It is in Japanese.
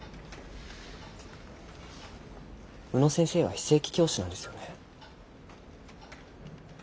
宇野先生は非正規教師なんですよね。